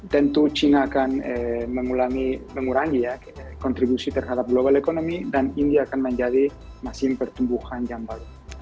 tentu china akan mengurangi kontribusi terhadap global economy dan india akan menjadi mesin pertumbuhan yang baru